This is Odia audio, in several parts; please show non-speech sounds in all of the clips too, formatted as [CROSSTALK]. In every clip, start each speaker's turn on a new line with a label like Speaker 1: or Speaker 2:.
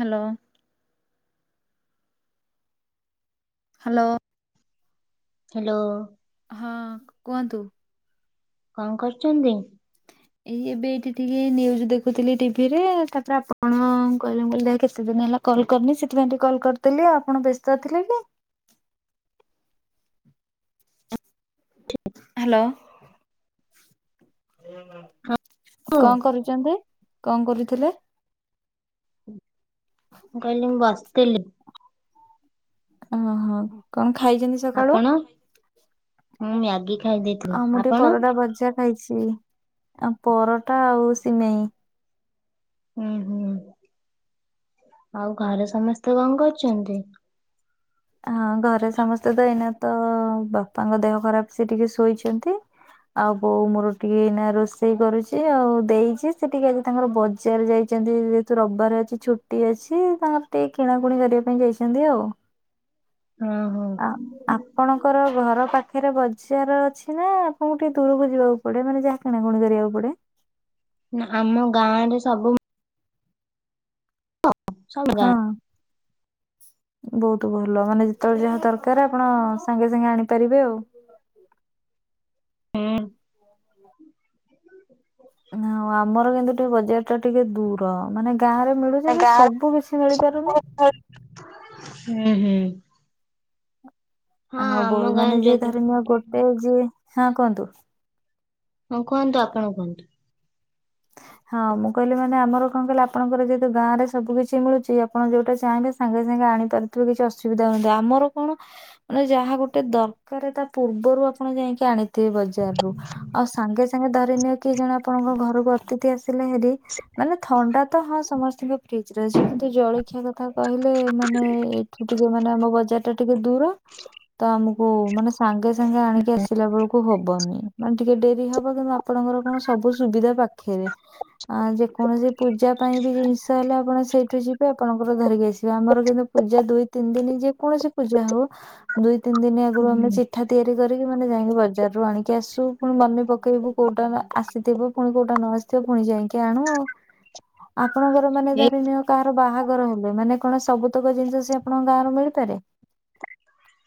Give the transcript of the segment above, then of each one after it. Speaker 1: ହାଲୋ। ହ୍ୟାଲୋ।
Speaker 2: ହ୍ୟାଲୋ
Speaker 1: ହଁ କୁହନ୍ତୁ।
Speaker 2: କଣ କରୁଛନ୍ତି?
Speaker 1: ଏଇ ଏବେ ଏଇଠି ଟିକେ ନ୍ୟୁଜ ଦେଖୁଥିଲି ଟିଭିରେ ତାପରେ ଆପଣ କହିଲେ କ ମୁ କହିଲି ଦେଖିଆ କେତେ ଦିନ ହେଲା କଲ୍ କରିନି ସେଥିପାଇଁ ଟିକ କଲ୍ କରିଦେଲି ଆପଣ ବ୍ୟସ୍ତ ଥିଲେ କି। ହ୍ୟାଲୋ।
Speaker 2: ହଉ
Speaker 1: କଣ
Speaker 2: ମୁଁ
Speaker 1: କରୁଛନ୍ତି କଣ କରୁଥିଲେ?
Speaker 2: ମୁଁ କହିଲି ମୁଁ ବସିଥିଲି।
Speaker 1: ଓହୋ କଣ ଖାଇଛନ୍ତି ସକାଳୁ?
Speaker 2: ଆପଣ ମୁଁ ମ୍ୟାଗି ଖା
Speaker 1: ଆଉ ମୁଁ ଟିକେ ପରଟା ଭଜା ଖାଇଛି ଆଉ ପରଟା ଆଉ ସିମେଇ।
Speaker 2: ଉୁଁ ହୁଁ ଆଉ ଘରେ ସମସ୍ତେ କଣ କରୁଛନ୍ତି?
Speaker 1: ହଁ ଘରେ ସମସ୍ତେ ତ ଏଇନା ତ ବାପାଙ୍କ ଦେହ ଖରାପ ସେ ଟିକେ ଶୋଇଛନ୍ତି। ଆଉ ବୋଉ ମୋର ଟିକେ ଏଇନା ରୋଷେଇ କରୁଛି ଆଉ ଦେଇ ଯେ ସେ ଟିକେ ଆଜି ତାଙ୍କର ବ ବଜାରେ ଯାଇଛନ୍ତି ଯେହେତୁ ରବିବାର ଅଛି ଛୁଟି ଅଛି ତାଙ୍କର ଟିକେ କିଣାକୁଣି କରିବା ପାଇଁ ଯାଇଛନ୍ତି ଆଉ।
Speaker 2: ଉଁ ହୁଁ।
Speaker 1: ଆ ଆ ଆପଣଙ୍କର ଘର ପାଖରେ ବଜାର ଅଛି ନା ଆପଣଙ୍କୁ ଟିକେ ଦୂରକୁ ଯିବାକୁ ପଡିବ ମାନେ ଯାହା କିଣା କୁଣି କରିବାକୁ ପଡେ।
Speaker 2: ନା ଆମ ଗାଁ ରେ ସବୁ ସବୁ
Speaker 1: ହଁ।
Speaker 2: ଗାଁ
Speaker 1: ବହୁତ ଭଲ ମାନେ ଯେତେବେଳେ ଯାହା ଦରକାର ଆପଣ ସାଙ୍ଗେ ସାଙ୍ଗେ ଆଣିପାରିବେ ଆଉ।
Speaker 2: ହଁ।
Speaker 1: ନାଉ ଆମର କିନ୍ତୁ ଟିକେ ବଜାର ଟା ଟିକେ ଦୂର ମାନେ ଗାଁ ରେ ମିଳୁଛି ଯେ
Speaker 2: ଗାଁ
Speaker 1: ସବୁ କିଛି ମିଳିପାରୁନି।
Speaker 2: ହୁଁ ହୁଁ। ହଁ
Speaker 1: ଆଉ
Speaker 2: ଆମ
Speaker 1: ବଉ ମାନେ
Speaker 2: ଗାଁରେ
Speaker 1: ଯିଏ
Speaker 2: ଯଦି
Speaker 1: ଧରି ନିଅ ଗୋଟେ ଯିଏ ହଁ କୁହନ୍ତୁ।
Speaker 2: ହଁ କୁହନ୍ତୁ ଆପଣ କୁହନ୍ତୁ।
Speaker 1: ହଁ ମୁଁ କହିଲି ମାନେ ଆମର କଣ କହିଲି ଆପଣଙ୍କର ଯେହେତୁ ଗାଁରେ ସବୁ କିଛି ମିଳୁଛି ଆପଣ ଯୋଉଟା ଚାହିଁବେ ସାଙ୍ଗେ ସାଙ୍ଗେ ଆଣିପାରୁଥିବେ କିଛି ଅସୁବିଧା ହୋଉନଥିବ ଆମର କଣ ମାନେ ଯାହା ଗୋଟେ ଦରକାର ତା ପୂର୍ବରୁ ଆପଣ ଯାଇକି ଆଣି ଏତିକି ବଜାରରୁ। ଆଉ ସାଙ୍ଗେ ସାଙ୍ଗେ ଧରିନିଅ କିଏ ଜଣେ ଆପଣଙ୍କ ଘରକୁ ଅତିଥି ଆସି ଥିଲେ ହେରି ମାନେ ଥଣ୍ଡା ତ ହଁ ସମସ୍ତିଙ୍କ ଫ୍ରିଜରେ ଅଛି ଜଳଖିଆ କଥା କହିଲେ ମାନେ ଏଇଠୁ ଟିକେ ମାନେ ଆମ ବଜାରଟା ଟିକେ ଦୂର, ତ ଆମକୁ ହଉ ମାନେ ସାଙ୍ଗେ ସାଙ୍ଗେ ଆଣିକି ଆସିଲା ବେଳକୁ ହବନି। ମାନେ ଟିକେ ଡେରି ହବ କି ମୁଁ ଆପ ଆପଣଙ୍କର କଣ ସବୁ ସୁବିଧା ପାଖେରେ। ଆ ଯେକୌଣସି ପୂଜା ପାଇଁ ବି ଜିନିଷ ହେଲେ ଆପଣ ସେଇଠୁ ଯିବେ ଆପଣଙ୍କର ଧରିକି ଆସିବେ। ଆମର କିନ୍ତୁ ପୂଜା ଦୁଇ ତିନି ଦିନ ଯେକୌଣସି ପୂଜା ହଉ ଦୁଇ ତିନି ଦିନ ଆଗରୁ ଆମେ
Speaker 2: ହୁଁ
Speaker 1: ମିିଠା ତିଆରି କରିକି ମାନେ ଯାଇଁକି ବଜାରରୁ ଆଣିକି ଆସୁ, ପୁଣି ମନେ ପକେଇବୁ, କୋଉଟା ଆସିଥିବ ପୁଣି କୋଉଠି ଯୋଉଟା ନ ଆସିଥିବ ପୁଣି ଯାଇଁକି ଆଣୁ ଆଉ। ଆପଣଙ୍କର ମାନେ
Speaker 2: ଏଇ
Speaker 1: ଧରିନିଅ କାହାର ବାହାଘର ହେଲେ ମାନେ କଣ ସବୁତକ ଜିନିଷ ସିଏ ଆପଣଙ୍କ ଗାଁର ମିଳିପାରେ?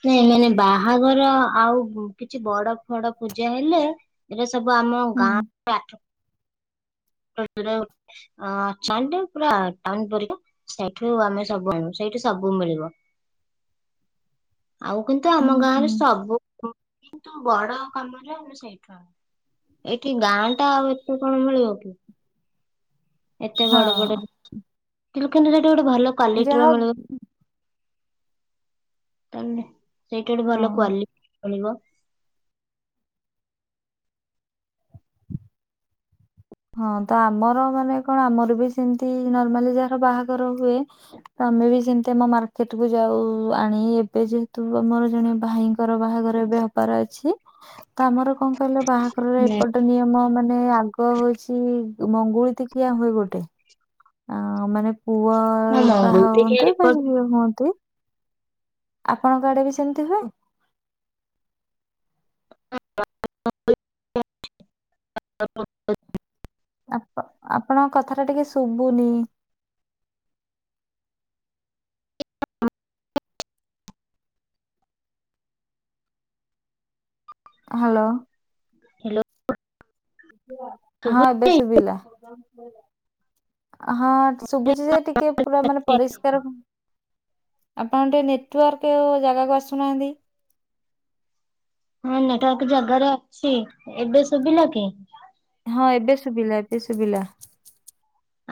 Speaker 2: ନାଇଁ ମାନେ ବାହାଘର ଆଉ କିଛି ବଡ ବଡ ପୂଜା ହେଲେ ଏଟା ସବୁ ଆମ
Speaker 1: ହୁଁ
Speaker 2: ଗାଁରେ ଆଠ [UNINTELLIGIBLE] ପୁରା ଟାଉନ ପରିକା ସେଇଠୁ ଆମେ ସବୁୁ ଆଣିବୁ, ସେଇଠୁ ସବୁ ମିଳିବ।
Speaker 1: ହଁ
Speaker 2: ଆଉ କିନ୍ତୁ ଆମ ଗାଁରେ ସବୁ କିନ୍ତୁ ବଡ କାମରେ ଆମେ ସେଇଠୁ ଆଣୁ। ଏଇଠି ଗାଁଟା ଆଉ ଏତେ କଣ ମିଳିବ କି। ଏତେ
Speaker 1: ହଁ
Speaker 2: ବଡ ବଡ, ଦୋକାନରେ ସେଠି ଗୋଟେ ଭଲ କ୍ଵାଲିଟିର
Speaker 1: ଯାହା
Speaker 2: ମିଳିବ ଦୋକାନରେ ସେଇଠି ଗୋଟେ
Speaker 1: ହଁ
Speaker 2: ଭଲ କ୍ଵାଲିଟିର ମିଳିବ
Speaker 1: ହଁ ତ ଆମର ମାନେ କଣ ଆମର ବି ସେମିତି ନର୍ମାଲି ଯାହାର ବାହାଘର ହୁଏ ତମେ ବି ସେମତି ଆମ ମାର୍କେଟକୁ ଯାଉ ଆଣିଆକୁ, ଏବେ ଯେହେତୁ ଆମର ଜଣେ ଭାଇଙ୍କ ତାଙ୍କର ବାହାଘର ଏବେ ହବାର ଅଛି ତ ଆମର କଣ କହିଲ ବାହାଘରର ଏପଟ ନିୟମ ମାନେ ଆଗ ହଉଚି ସିଏ ମଙ୍ଗୁଳିତି ଖିଆ ହୁଏ ଗୋଟେ ଆ ମାନେ ପୁଅ
Speaker 2: ହଁ ମଙ୍ଗୁଳି
Speaker 1: ବାହା
Speaker 2: ଟିକେ
Speaker 1: ହୁଅନ୍ତୁ ବା
Speaker 2: ଏପଟ
Speaker 1: ଝିଅ ହୁଅନ୍ତି ଆପଣଙ୍କ ଆଡେ ବି ସେମିତି ହୁଏ?
Speaker 2: [INAUDIBLE]
Speaker 1: ଆ-ଆପ-ଆପଣଙ୍କ କଥାଟା ଟିକେ ଶୁଭୁନି? ହ୍ୟାଲୋ।
Speaker 2: ହ୍ୟାଲୋ। ଶୁଭୁଛି?
Speaker 1: ହଁ ଏବେ ଶୁଭିଲା। ହଁ ଶୁଭୁଛି ଯେ, ଟିକେ ପୁରା ମାନେ ପରିଷ୍ ଷ୍କାର ନୁହଁ। ଆପଣ ଟିକେ ନେଟୱାର୍କ ଜାଗାକୁ ଆସୁନାହାଁନ୍ତି?
Speaker 2: ହଁ ନେଟୱାର୍କ ଜାଗାରେ ଅଛି। ଏବେ ଶୁଭିଲା କି?
Speaker 1: ହଁ ଏବେ ଶୁଭିଲା, ଏବେ ଶୁଭିଲା।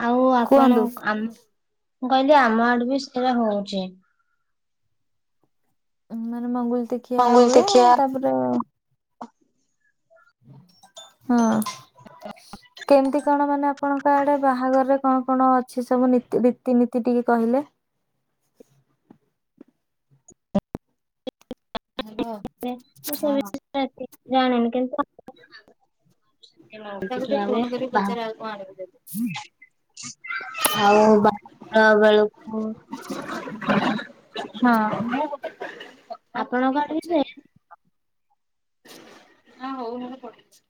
Speaker 2: ଆଉ
Speaker 1: କୁହନ୍ତୁ
Speaker 2: ଆପଣଙ୍କ ଆମ ମୁଁ କହିଲି ଆମ ଆଡେ ବି ସେରା ହଉଛି।
Speaker 1: ମାନେ ମଙ୍ଗୁଳିତି ଖିଆ
Speaker 2: ମଙ୍ଗୁଳି
Speaker 1: ହୁଏ,
Speaker 2: ଦେଖିଆ
Speaker 1: ତାପରେ ହଁ। କେମତି କଣ ମାନେ ଆପଣଙ୍କ ଆଡ଼େ ବାହାଘରରେ କଣ କଣ ଅଛି ସବୁ ନୀତି ରୀତି ନୀତି ଟିକେ କହିଲେ? ହ୍ୟାଲୋ।
Speaker 2: ମାନେ ମୁଁ ସେ ବିଷୟରେ
Speaker 1: ହଁ।
Speaker 2: ଏତେ କିଛି ଜାଣିନି କିନ୍ତୁ
Speaker 1: ସେ ତାକୁ ଟିକେ
Speaker 2: ଖିଆ ହୁଏ
Speaker 1: ଫୋନ କରିକି
Speaker 2: ବା
Speaker 1: ପଚାରେ, ଆଉ କଣ ଆଣିବୁ ଯଦି?
Speaker 2: ଆଉ ବାହାଘର ବେଳକୁ
Speaker 1: ହଁ।
Speaker 2: ଆପଣଙ୍କ ଆଡ଼େ ବି ସେ
Speaker 1: ଯା ହଉ [UNINTELLIGIBLE]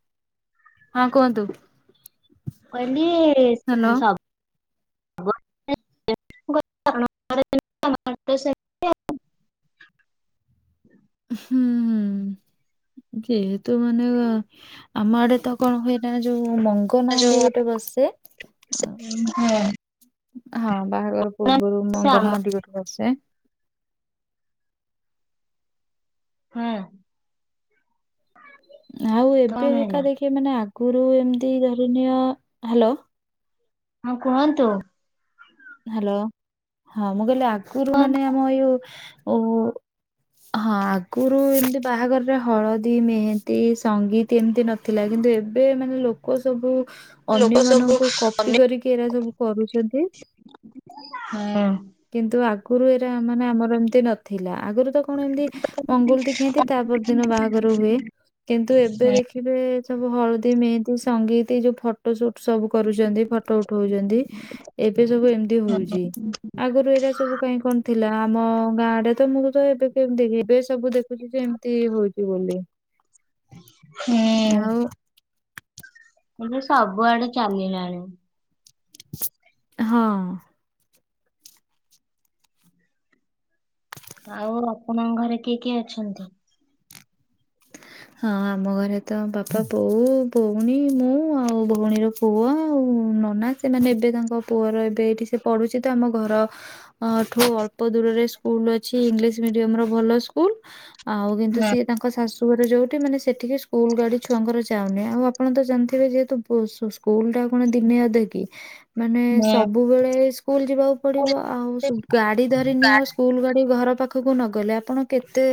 Speaker 2: ମୁଁ କହିଲି
Speaker 1: ହ୍ୟାଲୋ।
Speaker 2: ସବ ଗୋଟେ ସେ
Speaker 1: ହୁଁ ହୁଁ। ଯେହେତୁ ମାନେ ଆମ ଆଡେ ତ କଣ ହୁଏନା ଯୋଉ ମଙ୍ଗ କନହାଣ୍ଡି
Speaker 2: ଯୋଉ
Speaker 1: ଗୋଟେ ବସେ ହଁ ବାହାଘର। ପୂର୍ବରୁ
Speaker 2: ସେ ଆମ
Speaker 1: ମଙ୍ଗନହାଣ୍ଡି ଗୋଟେ ବସେ।
Speaker 2: ହେଁ।
Speaker 1: ଆଉ ଏବେ
Speaker 2: କଣ
Speaker 1: ଏକ ଏକା
Speaker 2: ହେଲା
Speaker 1: ଦେଖି ମାନେ ଆଗରୁ ଏମତି ଧରଣୀୟ ହ୍ୟାଲୋ।
Speaker 2: ହଁ କୁହନ୍ତୁ।
Speaker 1: ହ୍ୟାଲୋ ହଁ ମୁଁ କହିଲି ଆଗରୁ ମାନେ ଆମ ଏଇ ଯୋଉ ହଁ ଆଗରୁ ଏମତି ବାହାଘରରେ ହଳଦୀ ମେହେନ୍ଦୀ ସଙ୍ଗୀତ୍ ତେ ଏମିତି ନଥିଲା କିନ୍ତୁ ଏବେ ମାନେ ଲୋକ ସବୁ
Speaker 2: ଲୋକ
Speaker 1: ଅନ୍ୟ
Speaker 2: ସବୁ
Speaker 1: ମାନଙ୍କୁ କପି କରିକି ଏରା ସବୁ କରୁଛନ୍ତି।
Speaker 2: ହଁ।
Speaker 1: କିନ୍ତୁ ଆଗରୁ ଏରା ମାନେ ଆ ଆମର ଏମତି ନଥିଲା ଆଗରୁ ତ କଣ ଏମିତି ମଙ୍ଗୁଳୁତି ଖାଆନ୍ତି ତା ପର ଦିନ ବାହାଘର ହୁଏ। କିନ୍ତୁ ଏବେ ଦେଖିବେ ସବୁ ହଳଦୀ ମେହେନ୍ଦୀ ସଙ୍ଗୀତି ଏ ଯୋଉ ଫଟୋ ଫଟୋ ସୁଟ୍ ସବୁ କରୁଛନ୍ତି ଫଟୋ ଉଠୋଉଛନ୍ତି ଏବେ ସବୁ ଏମିତି ହୋଉଛି। ଆ ଆଗରୁ ଏରା ସବୁ କାଇଁ କଣ ଥିଲା ଆମ ଗାଁ ଡେତ ମୁଁ ତ ଏବେ କେମିତି ଏବେ ସବୁ ଦେଖୁଚୁ ଯେ ଏମ୍ ତି ହୋଉଚି ବୋଲି।
Speaker 2: ହୁଁ।
Speaker 1: ଆଉ
Speaker 2: ଏବେ ସବୁଆଡେ ଚାଲିଲାଣି।
Speaker 1: ହଁ।
Speaker 2: ଆଉ ଆପଣଙ୍କ ଘରେ କିଏ କିଏ ଅଛନ୍ତି?
Speaker 1: ହଁ ଆମ ଘରେ ତ ବାପା ବୋଉ ଭଉଣୀ ମୁଁ ଆଉ ଭଉଣୀର ପୁଅ ଆଉ ନନା। ସେମାନେ ଏବେ ତାଙ୍କ ପୁଅର ଏବେ ଏଇଠି ସେ ପଢୁଚି ତ ଆମ ଘର ଆଠୁ ଅଳ୍ପ ଦୂରରେ ସ୍କୁଲ ଅଛି ଇଂଙ୍ଗିଲିସ୍‌ ମିଡିୟମ୍ ର ଭଲ ସ୍କୁଲ। ଆଉ କିନ୍ତୁ ସିଏ ତାଙ୍କ ଶାଶୁ ରେ ଯୋଉଠି ମାନେ ସେଠିକି ସ୍କୁଲ ଗାଡି ଛୁଆଙ୍କର ଯାଉନି ଆଉ ଆପଣ ତ ଜାଣିଥିବେ ଯେହେତୁ ବୋ ସୁ ସ୍କୁଲ ଟା କଣ ଦିନେ ଅଧେ କିି ମାନେ
Speaker 2: ହୁଁ
Speaker 1: ସବୁବେଳେ ସ୍କୁଲ ଯିବାକୁ ପଡିବ ଆଉ ଗାଡି ଧରି ନିଅ ଆ ସ୍କୁଲ ଗାଡି ଘର ପାଖ ପାଖକୁ ନଗଲେ ଆପଣ କେତେ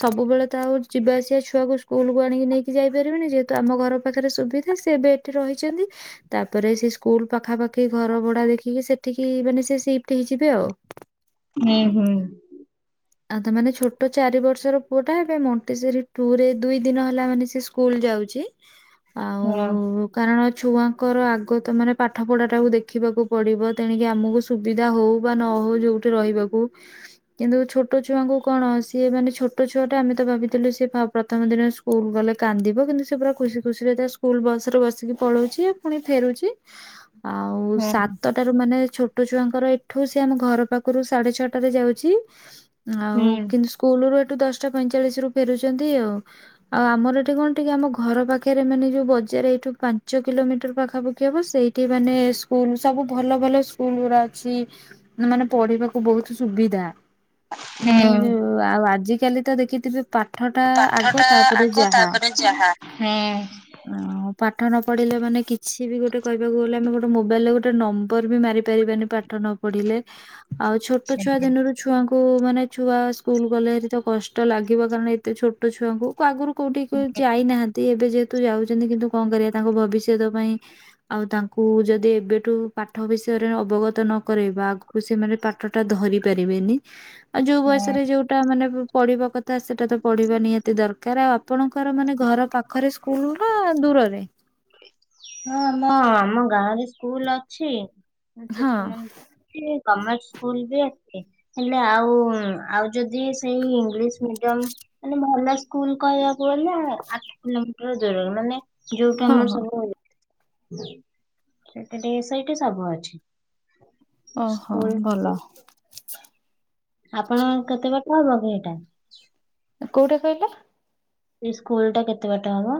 Speaker 1: ସବୁବେଳେ ତ ଆଉ ଯିବା ଆସିବା ଛୁଆକୁ ସ୍କୁଲକୁ ଆଣିକି ନେଇକି ଯାଇପାରିବେନି ଯେହେତୁ ଆମ ଘର ପାଖରେ ସୁବିଧା ସେବେ ଏଠି ରହିଛନ୍ତି। ତାପରେ ସେ ସ୍କୁଲ ପାଖାପାଖି ଘର ଭଡା ଦେଖିକି ସେଠିକି ମାନେ ସେ ସିଟ୍ଫି ହେଇଯିବେ ଆଉ।
Speaker 2: ମେଁ ହୁଁ।
Speaker 1: ଆଉ ତ ମାନେ ଛୋଟ ଚାରି ବର୍ଷର ପୁଅ ଟା ହେବେ ମଣ୍ଟେଜେରି ଟୁ ରେ ଦୁଇ ଦିନ ହେଲା ମାନେ ସେ ସ୍କୁଲ ଯାଉଚି। [INAUDIBLE]
Speaker 2: ହଁ।
Speaker 1: କାରଣ ଛୁଆଙ୍କର ଆଗ ତ ମାନେ ପାଠ ପଢା ଟାକୁୁ ଦେଖିବାକୁ ପଡିବ ତେଣିକି ଆମକୁ ସୁବିଧା ହୋଉ ବା ନ ହୋଉ ଯୋଉଠି ରହିବାକୁ କିନ୍ତୁ ଛୋ ଛୋଟ ଛୁଆଙ୍କୁ କଣ ସିଏ ମାନେ ଛୋଟ ଛୁଆଟା ଆମେ ତ ଭାବିଥିଲୁ ସି ପ୍ରଥମ ଦିନ ସ୍କୁଲ ଗଲେ କାନ୍ଦିବ କିନ୍ତୁ ସେ ପୁରା ଖୁସି ଖୁସିରେ ତା ସ୍କୁଲ ବସ୍‌ ରେ ବସିକି ପଳୋଉଚି। ଆଉ
Speaker 2: ହଁ
Speaker 1: ସାତ ତ ର ମାନେ ଛୋଟ ଛୁଆଙ୍କର ଏଠୁ ସେ ଆମ ଘର ପାଖରୁ ସାଢେ ଛଅଟାରେ ଯାଉଚି
Speaker 2: ହୁଁ
Speaker 1: ଆଉ କିନ୍ତୁ ସ୍କୁଲ ରୁ ଏଠୁ ଦଶଟା ପଇଁଚାଳିଶି ରୁ ଫେରୁଛନ୍ତି ଆଉ। ଆଉ ଆମର ଏଠି କଣ ଟିକେ ଆମ ଘର ପାଖରେ ମାନେ ଯୋଉ ବଜାର ଏଇଠୁ ପାଞ୍ଚ କିଲୋମିଟର ପାଖାପାଖି ହବ ସେଇ ଠି ମାନେ ସ୍କୁଲ ସବୁ ଭଲ ଭଲ ସ୍କୁଲ ଗୁରା ଅଛି। ମାନେ ପଢିବାକୁ ବହୁତୁ ସୁବିଧା ମାନେ
Speaker 2: ହୁଁ।
Speaker 1: ଆଉ ଆଜିକାଲି ତ ଦେଖିଥିବେ ପାଠ ଟା ଆଗ
Speaker 2: ପାଠଟା
Speaker 1: ତାପରେ
Speaker 2: ଆଗ
Speaker 1: ଯାହା।
Speaker 2: ତାପରେ ଯାହା। ହୁଁ।
Speaker 1: ହଁ ପାଠ ନ ପଢ଼ିଲେ ମାନେ କିଛି ବି ଗୋଟେ କହିବାକୁ ଗଲେ ଆମେ ଗୋଟେ ମୋବାଇଲରେ ଗୋଟେ ନମ୍ବର ବି ମାରିପାରିବାନି ପାଠ ନ ପଢିଲେ ଆଉ ଛୋଟ ଛୁଆ ଦିନରୁ ଛୁଆଙ୍କୁ ମାନେ ଛୁଆ ସ୍କୁଲ ଗଲେହାରିତ ତ କଷ୍ଟ ଲାଗିବ କାରଣ ଏତେ ଛୋ ଟ ଛୁଆଙ୍କୁ ଆଗରୁ କୋଉଠି ଯାଇନାହା ଏବେ ଯେହେତୁ ଯାଉଛନ୍ତି କିନ୍ତୁ କଣ କରିବା ତାଙ୍କ ଭବିଷ୍ୟତ ପାଇଁ ଆଉ ତାଙ୍କୁ ଯଦି ଏବେଠୁ ପାଠ ବିଷୟରେ ଅବଗତ ନକରେଇବା କୁ ସେମାନେ ପାଠ ଟା ଧରି ପାରିବେନି ଆଉ ଯୋଉ
Speaker 2: ହଁ
Speaker 1: ବୟସରେ ଯୋଉ ମାନେ ପଢିବା କଥା ସେଟା ତ ପଢିବା ନିହାତି ଦରକାର ଆଉ ଆପଣଙ୍କର ମାନେ ଘର ପା ପାଖରେ ସ୍କୁଲ ନା ଦୂରରେ?
Speaker 2: ହଁ ଆମ ଆମ ଗାଁ ରେ ସ୍କୁଲ ଅଛି
Speaker 1: ହଁ।
Speaker 2: ଶିଶୁ ମନ୍ ଗଭଣମେଣ୍ଟ ସ୍କୁଲ ବି ଏମତି। ହେଲେ ଆଉ ଆଉ ଯଦି ସେଇ ଇଂଲିଶ ମିଡିୟମ ମାନେ ଭଲ ସ୍କୁଲ କହିବା କ ଗଲା ଆଠ କିଲୋମିଟର ଦୂରରେ ମାନେ ଯୋଉଠୁ
Speaker 1: ହଁ
Speaker 2: ଆମର
Speaker 1: ହଁ
Speaker 2: ସବୁ ସେଇଠି ସବୁ ଅଛି।
Speaker 1: ଓହୋ
Speaker 2: ସ୍କୁଲ
Speaker 1: ଭଲ।
Speaker 2: ଆପଣଙ୍କ କେତେ ବାଟ ହବ ଏଇଟା?
Speaker 1: କୋଉଟା କହିଲ?
Speaker 2: ସେ ସ୍କୁଲ ଟା କେତେ ବାଟ ହବ?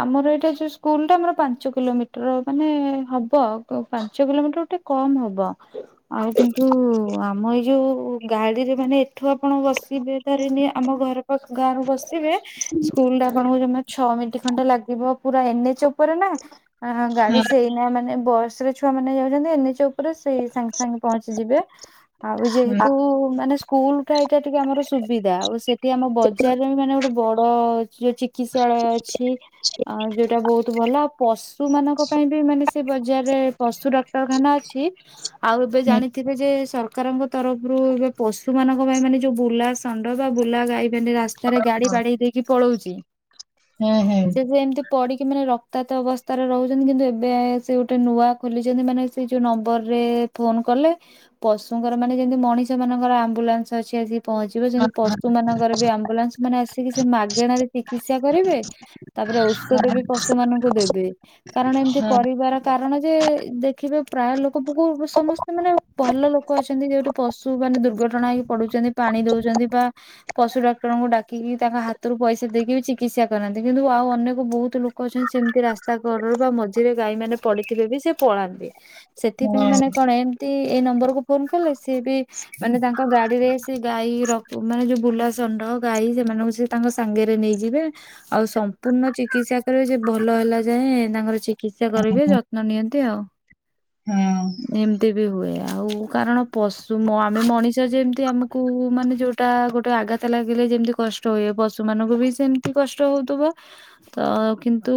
Speaker 1: ଆମର ଏଇଟା ଯୋଉ ସ୍କୁଲ ଟା ଆମର ପାଞ୍ଚ କିଲୋମିଟର ମାନେ ହବ ଆଉ ପାଞ୍ଚ କିଲୋମିଟର ଗୋଟେ କମ୍ ହବ। ଆଉ କିନ୍ତୁ ଆମ ଏଇ ଯୋଉ ଗାଡିରେ ମାନେ ଏଠୁ ଆପଣ ବସିବେ ଧରିନିଅ ଆମ ଘର ତ ଗାଁରୁ ବସିବେ ସ୍କୁଲରେ ଆପଣଙ୍କୁ ଜମା ଛଅ ମିଣ୍ଟି ଘଣ୍ଟା ଲାଗିବ ପୁରା ଏନ୍ ଏଚ ଉପରେ ନା ହଁ ଗାଡି ସେଇ ନା ମାନେ ବସରେ ଛୁଆ ମାନେ ଯାଉଛନ୍ତି ଏନ ଏଚ ଉପରେ ସେଇ ସାଙ୍ଗେ ସାଙ୍ଗେ ପହଞ୍ଚିଯିବେ। ଆଉ
Speaker 2: ହୁଁ
Speaker 1: ଯେହେତୁ ମାନେ ସ୍କୁଲା ଏଇଟା ଟିକେ ଆମର ସୁବିଧା ଆଉ ସେ ଆମ ବଜାରରେ ବି ମାନେ ଗୋଟେ ବଡ ଯୋଉ ଚିକିତ୍ସାଳୟ ଅଛି। ଆ ଯୋଉଟା ବହୁତ ଭଲ ଆଉ ପଶୁ ମାନଙ୍କ ପାଇଁ ବି ମାନେ ସେ ବଜାରରେ ପଶୁ ଡାକ୍ତରଖାନା ଅଛି। ଆଉ ଏବେ
Speaker 2: ହୁଁ
Speaker 1: ଜାଣିଥିବେ ଯେ ସରକାରଙ୍କ ତରଫରୁ ଏବେ ପଶୁ ମାନଙ୍କ ପାଇଁ ମାନେ ଯୋଉ ବୁଲାସ ଷଣ୍ଢ ବା ବୁଲା ଗାଇବେ ରାସ୍ତାରେ ଗାଡି ବାଡେଇ ଦେଇକି ପଳଉଛି।
Speaker 2: ହୁଁ ହୁଁ। ହୁଁ।
Speaker 1: ସେ ଏମିତି ପଡିକି ମାନେ ରକ୍ତାକ୍ତ ଅବସ୍ଥାରେ ରହୁଛନ୍ତି କିନ୍ତୁ ଏବେ ସେ ଗୋଟେ ନୂଆ ଖୋଲିଛନ୍ତି ମାନେ ସେ ଯୋଉ ନମ୍ବରରେ ଫୋନ କଲେ ପଶୁଙ୍କର ମାନେ ଯେମିତି ମଣିଷ ମାନଙ୍କର ଆମ୍ବୁଲାନ୍ସ ଅଛି ଆସିକି ପହଞ୍ଚିବ ଯେମିତି ପ ସୁ ମାନଙ୍କର ବି ଆମ୍ବୁଲାନ୍ସ ମାନେ ଆସିକି ସେ ମାଗେଣାରେ ଚିକିତ୍ସା କରିବେ। ତାପରେ ଔଷଧ ବି ପଶୁ ମାନଙ୍କୁ ଦେବେ କାରଣ
Speaker 2: ହ
Speaker 1: ଏମତି କରିବାର କାରଣ ଯେ ଦେଖିବେ ପ୍ରାୟ ଲୋକ ବହୁ ସମସ୍ତେ ମାନେ ଭଲ ଲୋକ ଅଛନ୍ତି ଯୋଉଠି ପଶୁ ମାନେ ଦୁର୍ଘଟଣା ହେଇକି ପଡୁଛନ୍ତି ପାଣି ଦଉଛନ୍ତି ବା ପଶୁ ଡାକ୍ତରଙ୍କୁ ଡାକିକି ତାଙ୍କ ହାତରୁ ପଇସା ଦେଇକି ବି ଚିକିତ୍ସା କରାନ୍ତି କିନ୍ତୁ ଆଉ ଅନେକ ବହୁତ ଲୋକ ଅଛନ୍ତି ସେମିତି ରାସ୍ତା ଘଡରୁ ବା ମଝିରେ ଗାଈ ମାନେ ପଡିିଥିବେ ବି ସେ ପଳାନ୍ତି। ସେଥିପାଇଁ ମାନେ କଣ ଏମତି ଏଇ ନମ୍ବରକୁୁ ଫୋନ କଲେ ସିଏ ବି ମାନେ ତାଙ୍କ ଗାଡିରେ ସେ ଗାଈ ର ମାନେ ଯୋଉ ବୁଲା ଷଣ୍ଢ ଗାଈ ସେମାନଙ୍କୁ ସେ ତାଙ୍କ ସାଙ୍ଗରେ ନେଇଯିବେ ଆଉ ସମ୍ ପୂର୍ଣ୍ଣ ଚିକିତ୍ସା କରିବେ ଯେ ଭଲ ହେଲା ଯାଏଁ ତାଙ୍କର ଚିକିତ୍ସା କରିବେ ଯତ୍ନ ନିଅନ୍ତି ଆଉ।
Speaker 2: ହୁଁ।
Speaker 1: ଏମତି ବି ହୁଏ ଆଉ କାରଣ ପଶୁ ମୋ ଆମେ ମଣିଷ ଯେମିତି ଆମକୁ ମାନେ ଯୋଉ ଟା ଗୋଟେ ଆଘାତ ଲାଗିଲେ ଯେମିତି କଷ୍ଟ ହୁଏ ପଶୁ ମାନଙ୍କୁ ବି ସେମିତି କଷ୍ଟ ହଉଥିବ। ତ କିନ୍ତୁ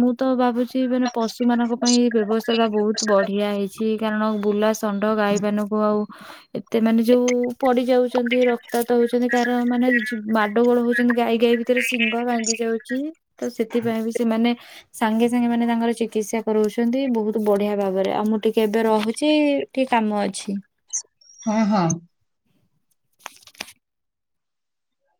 Speaker 1: ମୁଁ ତ ଭାବୁଛି ମାନେ ପଶୁ ମାନଙ୍କ ପାଇଁ ଏ ବ୍ୟବସ୍ଥା ଟା ବହୁତ ବଢିଆ ହେଇଛି କାରଣ ବୁଲା ଷଣ୍ଢ ଗାଈ ମାନଙ୍କୁ ଆଉ ଏତେ ମାନେ ଯୋଉ ପଡି ଯାଉଛନ୍ତି ରକ୍ତାକ୍ତ ହଉଛନ୍ତି କାହାର ମାନେ ଛି ମାଡଗୋଳ ହଉଛନ୍ତି ଗାଈ ଗାଈ ବି ତିରେ ଶିଙ୍ଗ ଭାଙ୍ଗି ଯାଉଛି ତ ସେଥିପାଇଁ ବି ସେମାନେ ସାଙ୍ଗେ ସାଙ୍ଗେ ମାନେ ତାଙ୍କର ଚିକିତ୍ସା କରଉଛନ୍ତି ବହୁତ ବଢିଆ ଭାବରେ ଆଉ ମୁଁ ଟିକେ ଏବେ ରହୁଚି ଟିକେ କାମ ଅଛି।
Speaker 2: ହଁ ହଁ।